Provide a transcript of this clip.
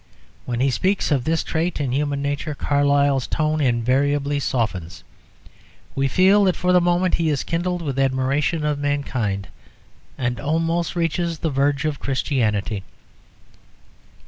When he speaks of this trait in human nature Carlyle's tone invariably softens. We feel that for the moment he is kindled with admiration of mankind, and almost reaches the verge of Christianity.